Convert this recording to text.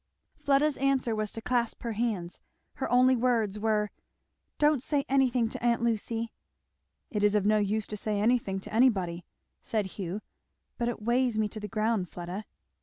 Fleda's answer was to clasp her hands. Her only words were, "Don't say anything to aunt Lucy." "It is of no use to say anything to anybody," said Hugh. "But it weighs me to the ground, Fleda!"